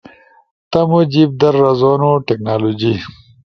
تمو جیب در رزونو ٹیکنالوجی